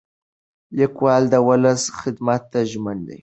لیکوال د ولس خدمت ته ژمن دی.